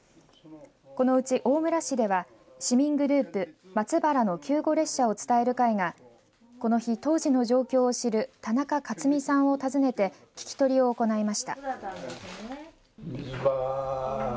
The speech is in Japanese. このうち大村市では市民グループ松原の救護列車を伝える会がこの日当時の状況を知る田中勝巳さんを訪ねて聞き取りを行いました。